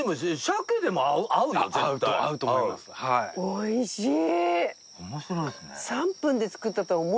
おいしい！